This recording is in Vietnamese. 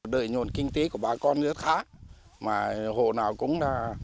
đời nhuận kinh tế của bà con rất khá mà hồ nào cũng là